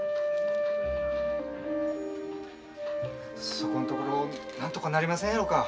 そこんところなんとかなりませんやろか。